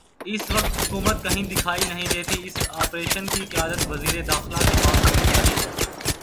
اس وقت حکومت کہیں دکھائی نہیں دیتی اس آپریشن کی قیادت وزیر داخلہ کے پاس ہونی چاہیے۔